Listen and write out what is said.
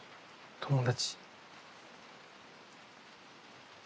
友達。